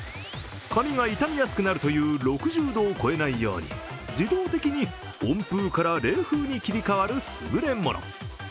髪が痛みやすくなるという６０度を超えないように自動的に温風から冷風に切り替わる優れもの。